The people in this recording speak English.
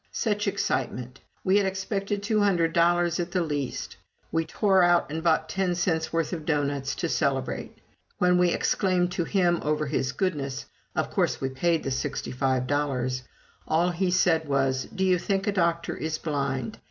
Such excitement! We had expected two hundred dollars at the least! We tore out and bought ten cents' worth of doughnuts, to celebrate. When we exclaimed to him over his goodness, of course we paid the sixty five dollars, all he said was: "Do you think a doctor is blind?